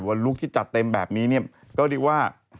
ว่าลุ๊กที่จัดเต็มแบบนี้ก็นึกว่า